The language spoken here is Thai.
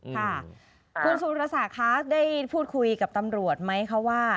ค่ะคุณสุรศักดิ์คะได้พูดคุยกับตำรวจไหมคะว่า